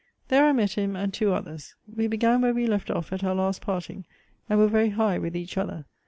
There I met him, and the two others. We began where we left off at our last parting; and were very high with each other.